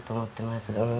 うん。